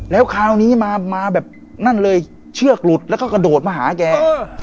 แล้วคราวนี้มาแบบนั่นเลยเชือกหลุดแล้วก็กระโดดมาหาแก